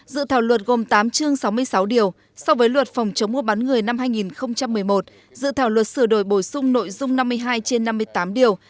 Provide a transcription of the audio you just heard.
dự thảo luật gồm tám chương sáu mươi sáu điều so với luật phòng chống mua bán người năm hai nghìn một mươi một dự thảo luật sửa đổi bổ sung nội dung năm mươi hai trên năm mươi tám điều